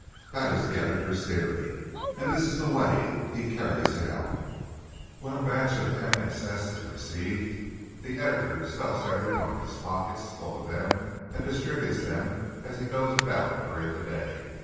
That is the editor's theory; and this is the way he carries it out: When a batch of MSS. is received the editor stuffs every one of his pockets full of them and distributes them as he goes about during the day.